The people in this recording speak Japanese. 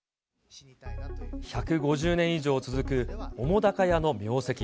１５０年以上続く澤瀉屋の名跡。